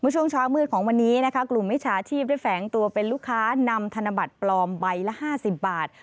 ช่วงเช้ามืดของวันนี้นะคะกลุ่มมิจฉาชีพได้แฝงตัวเป็นลูกค้านำธนบัตรปลอมใบละ๕๐บาท